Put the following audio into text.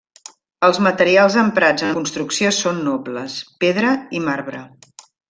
Els materials emprats en la construcció són nobles: pedra i marbre.